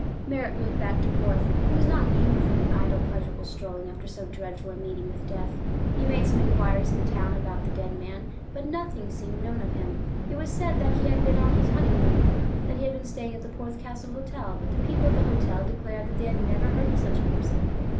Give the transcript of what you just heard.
Merritt moved back to Porth—he was not in the humor for any idle, pleasurable strolling after so dreadful a meeting with death. He made some inquiries in the town about the dead man, but nothing seemed known of him. It was said that he had been on his honeymoon, that he had been staying at the Porth Castle Hotel; but the people of the hotel declared that they had never heard of such a person.